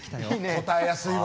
答えやすいわ。